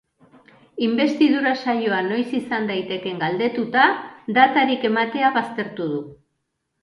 Inbestidura saioa noiz izan daitekeen galdetuta, datarik ematea baztertu du.